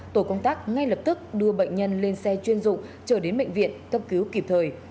tổ công tác ngay lập tức đưa bệnh nhân lên xe chuyên dụng trở đến bệnh viện cấp cứu kịp thời